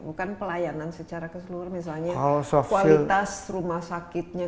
bukan pelayanan secara keseluruhannya soalnya kualitas rumah sakitnya